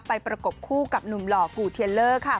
ประกบคู่กับหนุ่มหล่อกูเทียลเลอร์ค่ะ